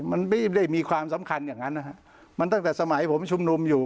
มันไม่ได้มีความสำคัญอย่างนั้นนะฮะมันตั้งแต่สมัยผมชุมนุมอยู่